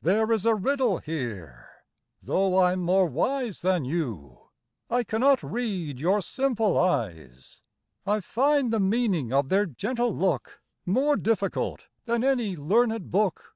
There is a riddle here. Though I'm more wise Than you, I cannot read your simple eyes. I find the meaning of their gentle look More difficult than any learned book.